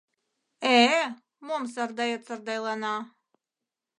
Э-э, мом Сардает сардайлана.